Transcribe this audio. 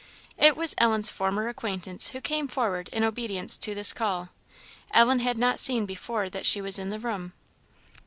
It was Ellen's former acquaintance who came forward in obedience to this call. Ellen had not seen before that she was in the room.